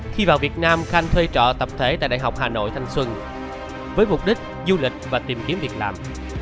khi vào việt nam khanh thuê trọ tập thể tại đại học hà nội thanh xuân với mục đích du lịch và tìm kiếm việt nam